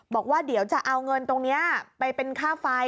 บอกว่าเดี๋ยวจะเอาเงินตรงนี้ไปเป็นค่าไฟ